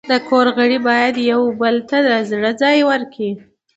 د کور غړي باید یو بل ته له زړه ځای ورکړي.